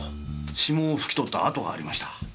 指紋を拭き取った跡がありました。